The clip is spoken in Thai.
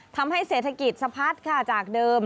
ทำให้เศรษฐกิจสะพัดค่ะจากเดิม